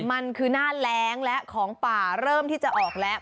มันคือหน้าแรงและของป่าเริ่มที่จะออกแล้ว